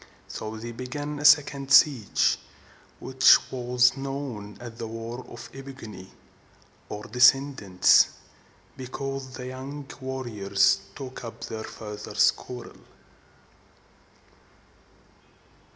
So they began a second siege, which was known as the War of the E pig´o ni, or descendants, because the young warriors took up their fathers' quarrel.